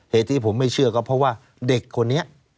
เหตุที่ผมไม่เชื่อก็เพราะว่าเด็กคนนี้